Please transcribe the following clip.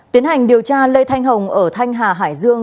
tiến hành điều tra lê thanh hồng ở thanh hà hải dương